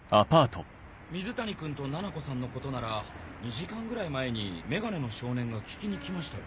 水谷君とななこさんのことなら２時間ぐらい前にメガネの少年が聞きに来ましたよ。